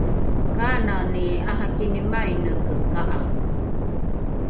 kanani ’arakini maineke ka’ange?